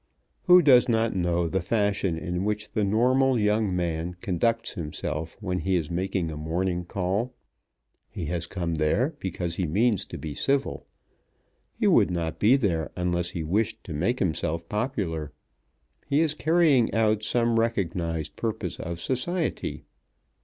Who does not know the fashion in which the normal young man conducts himself when he is making a morning call? He has come there because he means to be civil. He would not be there unless he wished to make himself popular. He is carrying out some recognized purpose of society.